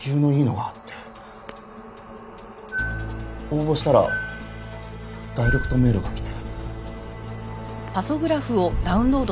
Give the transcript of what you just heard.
応募したらダイレクトメールが来て。